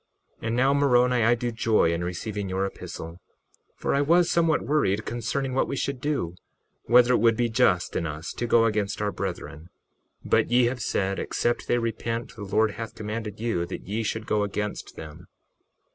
61:19 And now, Moroni, I do joy in receiving your epistle, for I was somewhat worried concerning what we should do, whether it should be just in us to go against our brethren. 61:20 But ye have said, except they repent the Lord hath commanded you that ye should go against them.